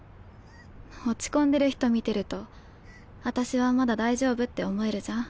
落ち込んでる人見てると私はまだ大丈夫って思えるじゃん。